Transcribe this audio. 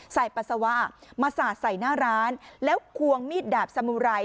ปัสสาวะมาสาดใส่หน้าร้านแล้วควงมีดดาบสมุไร